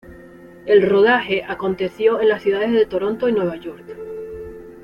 El rodaje aconteció en las ciudades de Toronto y Nueva York.